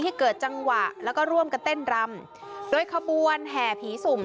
เกิดจังหวะแล้วก็ร่วมกันเต้นรำโดยขบวนแห่ผีสุ่ม